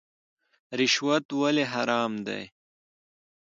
رشوت ولې حرام دی؟